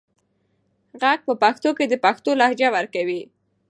غږ په پښتو کې د پښتو لهجه ورکوي.